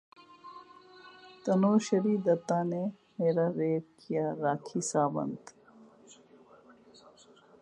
تنوشری دتہ نے میرا ریپ کیا راکھی ساونت